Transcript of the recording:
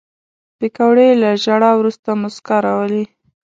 پکورې له ژړا وروسته موسکا راولي